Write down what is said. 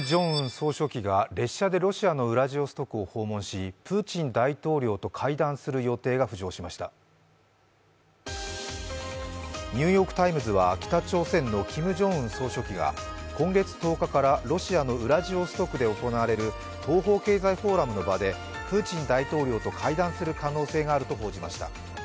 総書記が列車でロシアのウラジオストクを訪問し、プーチン大統領と会談する予定が浮上しました「ニューヨーク・タイムズ」は北朝鮮のキム・ジョンウン総書記が今月１０日からロシアのウラジオストクで行われる東方経済フォーラムの場で、プーチン大統領と会談する可能性があると報じました。